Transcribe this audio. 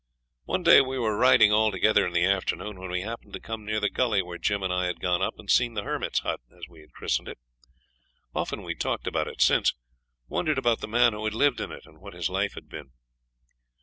One day we were riding all together in the afternoon, when we happened to come near the gully where Jim and I had gone up and seen the Hermit's Hut, as we had christened it. Often we had talked about it since; wondered about the man who had lived in it, and what his life had been.